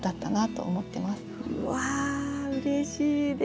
うわうれしいです！